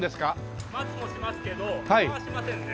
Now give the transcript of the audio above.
マツもしますけど今日はしませんね。